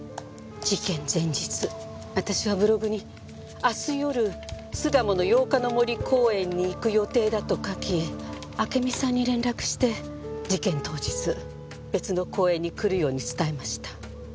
事件前日私はブログに明日夜巣鴨の八日の森公園に行く予定だと書き暁美さんに連絡して事件当日別の公園に来るように伝えました。